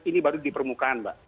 ini baru di permukaan mbak